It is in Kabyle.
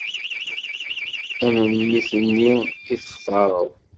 Amemmit-nni i textareḍ!